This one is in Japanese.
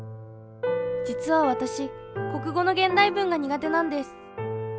実は私国語の現代文が苦手なんです。